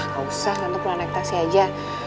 gak usah tante pulang naik taksi aja